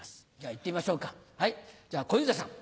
いってみましょうかはいじゃあ小遊三さん。